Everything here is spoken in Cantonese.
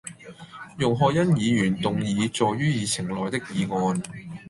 容海恩議員動議載於議程內的議案